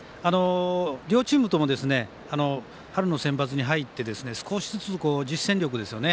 両チームとも春のセンバツに入って少しずつ実践力ですよね。